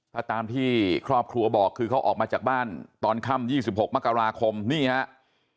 ถ้าตามที่ครอบครัวบอกคือเขาออกมาจากบ้านตอนค่ำ๒๖มกราคมนี่ครับ